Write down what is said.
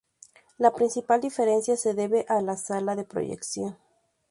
La principal diferencia se debe a la Sala de proyección.